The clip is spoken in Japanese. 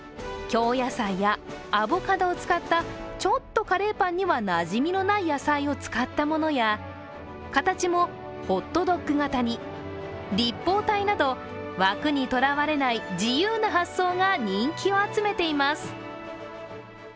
京野菜やアボカドを使ったちょっとカレーパンにはなじみのない野菜を使ったものや、形もホットドッグ型に立方体など、枠にとらわれない自由な発想が人気を集めています。